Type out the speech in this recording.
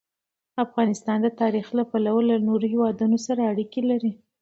افغانستان د تاریخ له پلوه له نورو هېوادونو سره اړیکې لري.